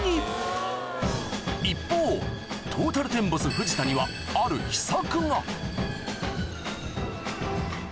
一方トータルテンボス・藤田にはある肉